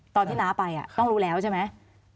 ตอนที่น้าไปต้องรู้แล้วใช่ไหม